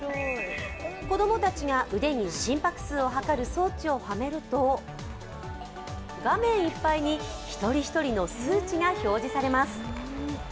子供たちが腕に心拍数を測る装置をはめると画面いっぱいに一人一人の数値が表示されます。